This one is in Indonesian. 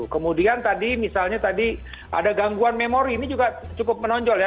kemudian tadi misalnya tadi ada gangguan memori ini juga cukup menonjol ya